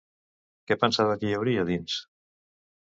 Què pensava que hi hauria dins?